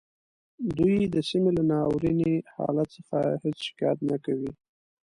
دوی د سیمې له ناوریني حالت څخه هیڅ شکایت نه کوي